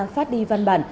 phát đi văn bản